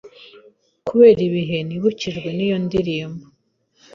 kubera ibihe nibukijwe n` iyo ndirimbo